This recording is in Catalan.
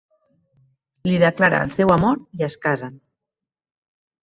Li declara el seu amor i es casen.